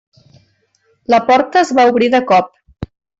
La porta es va obrir de cop.